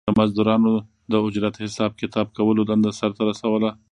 د مزدورانو د اجرت حساب کتاب کولو دنده سر ته رسوله